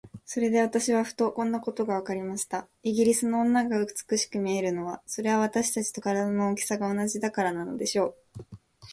それで私はふと、こんなことがわかりました。イギリスの女が美しく見えるのは、それは私たちと身体の大きさが同じだからなのでしょう。